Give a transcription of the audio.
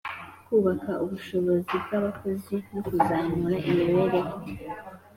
kubaka ubushobozi bw'abakozi no kuzamura imibereho